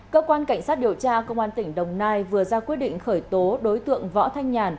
cơ quan cảnh sát điều tra công an tỉnh đồng nai vừa ra quyết định khởi tố đối tượng võ thanh nhàn